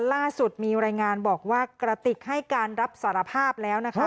ล่าสุดมีรายงานบอกว่ากระติกให้การรับสารภาพแล้วนะคะ